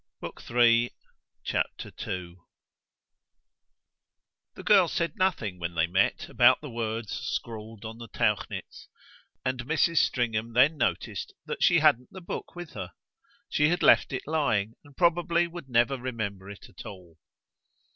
Book Third, Chapter 2 The girl said nothing, when they met, about the words scrawled on the Tauchnitz, and Mrs. Stringham then noticed that she hadn't the book with her. She had left it lying and probably would never remember it at all.